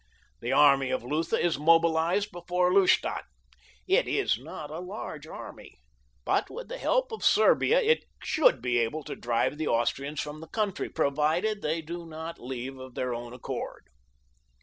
The army of Lutha is mobilized before Lustadt. It is not a large army, but with the help of Serbia it should be able to drive the Austrians from the country, provided they do not leave of their own accord."